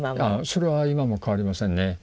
それは今も変わりませんね。